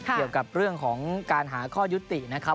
เกี่ยวกับเรื่องของการหาข้อยุตินะครับ